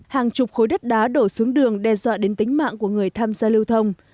hàng chục khối đất đá đổ xuống đường đe dọa đến tính mạng của người tham gia lưu thông